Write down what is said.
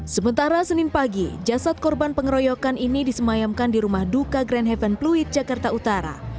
sementara senin pagi jasad korban pengeroyokan ini disemayamkan di rumah duka grand haven pluit jakarta utara